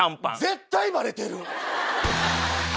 絶対バレてる。